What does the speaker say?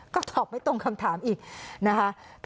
ก็ตอบไม่ตรงคำถามอีกนะคะ